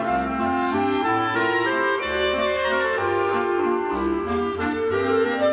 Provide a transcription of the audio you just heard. สวัสดีครับสวัสดีครับ